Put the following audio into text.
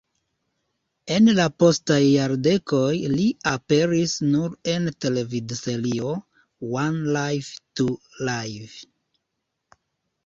En la postaj jardekoj li aperis nur en televidserio "One Life to Live".